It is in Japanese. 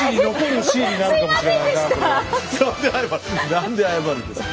何で謝るんですか。